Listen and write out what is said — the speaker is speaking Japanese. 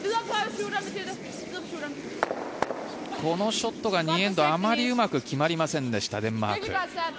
このショットが２エンドあまりうまく決まりませんでしたデンマーク。